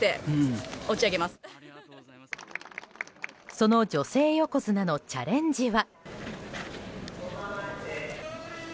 その女性横綱のチャレンジは。